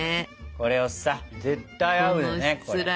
これをさ絶対合うよねこれ。